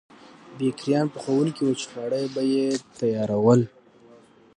بېکریان پخوونکي وو چې خواړه به یې تیارول.